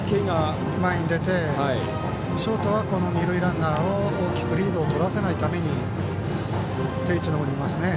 ショートは、二塁ランナーを大きくリードをとらせないために定位置に戻りますね。